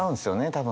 多分。